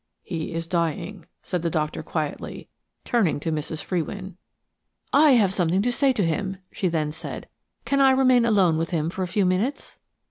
"He is dying," said the doctor quietly, turning to Mrs. Frewin. "I have something to say to him," she then said. "Can I remain alone with him for a few minutes?"